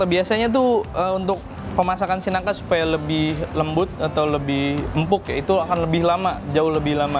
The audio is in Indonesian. biasanya tuh untuk pemasakan sinangka supaya lebih lembut atau lebih empuk itu akan lebih lama jauh lebih lama